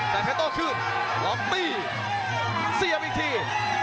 แสดงเพชรโต้ขึ้นล๊อคมีเสียบอีกที